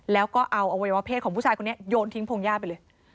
แล้วก็เอาอวัยวะเพศของผู้ชายคนนี้โยนทิ้งพงหญ้าไปเลย